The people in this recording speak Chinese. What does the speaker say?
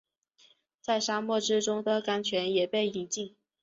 在沙漠之中的甘泉也被饮尽